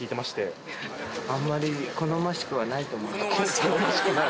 好ましくない？